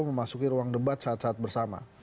memasuki ruang debat saat saat bersama